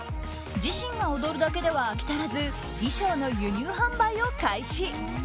自身が踊るだけでは飽き足らず衣装の輸入販売を開始。